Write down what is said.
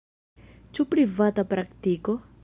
Ĉu privata praktiko?